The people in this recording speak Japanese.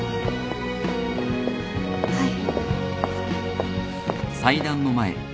はい。